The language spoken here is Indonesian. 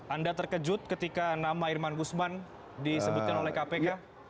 anda terkejut ketika nama irman gusman disebutkan oleh kpk